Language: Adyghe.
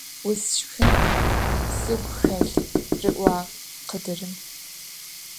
Vusşşxın sıgu xelh! – ri'uağ khıdırım.